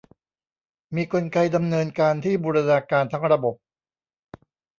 มีกลไกดำเนินการที่บูรณาการทั้งระบบ